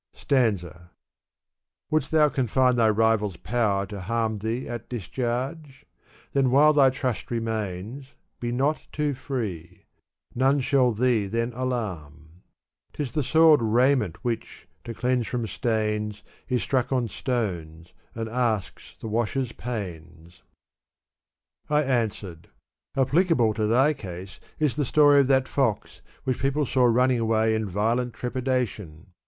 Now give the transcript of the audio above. '' Sfanza. Wouldst thou confine thy rival's power to harm Thee at discharge? then while thy trust remains. Be not too free ; none shall thee then alarm. 'Tis the soiled raiment which, to cleanse from stains. Is struck on stones and asks the washer's pains. Digitized by* k Gulistan; or. Rose Garden. 263 j I answered, " Applicable to thy case is the story of that fox which people saw running away in violent trepidation.